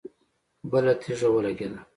بله تيږه ولګېده.